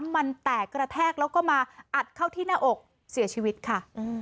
มันแตกกระแทกแล้วก็มาอัดเข้าที่หน้าอกเสียชีวิตค่ะ